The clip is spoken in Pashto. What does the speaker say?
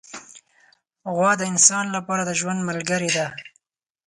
غوا د انسان له پاره د ژوند ملګرې ده.